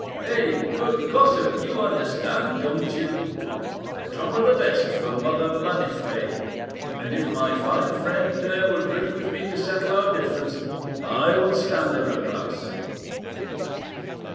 Eh, good gossip, you understand, don't you? A drop of the best for Mother Maniffret, and if my fine friend there will drink with me to settle our difference, I will stand her a glass."